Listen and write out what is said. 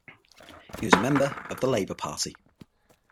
He was a member of the Labour Party.